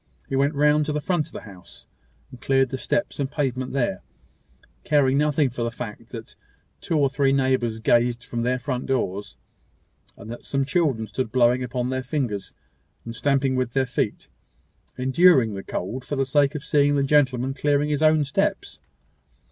He went round to the front of the house, and cleared the steps and pavement there; caring nothing for the fact, that two or three neighbours gazed from their doors, and that some children stood blowing upon their fingers, and stamping with their feet, enduring the cold, for the sake of seeing the gentleman clearing his own steps.